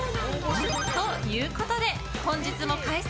ということで、本日も開催。